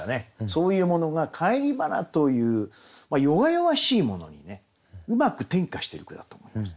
そういうものが返り花という弱々しいものにねうまく転化してる句だと思います。